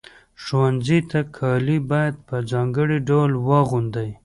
ښوونځي ته کالي باید په ځانګړي ډول واغوندئ.